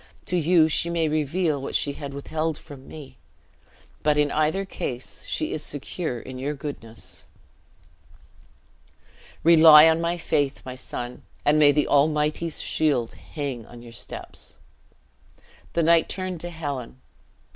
To you she may reveal what she had withheld from me; but in either case, she is secure in your goodness." "Rely on my faith, my son; and may the Almighty's shield hang on your steps!" The knight turned to Helen.